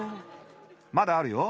まだあるよ。